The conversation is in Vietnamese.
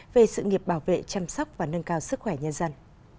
về sự nghiệp bảo vệ chăm sóc và nâng cao sức khỏe nhân dân